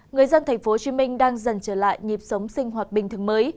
người dân tp hcm đang dần trở lại nhịp sống sinh hoạt bình thường mới